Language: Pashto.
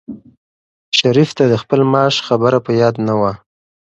شریف ته د خپل معاش خبره په یاد نه وه.